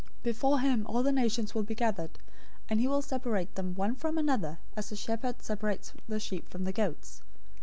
025:032 Before him all the nations will be gathered, and he will separate them one from another, as a shepherd separates the sheep from the goats.